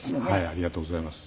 ありがとうございます。